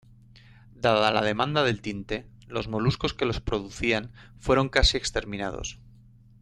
Dada la demanda del tinte, los moluscos que los producían fueron casi exterminados.